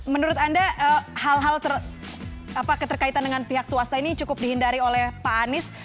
menurut anda hal hal keterkaitan dengan pihak swasta ini cukup dihindari oleh pak anies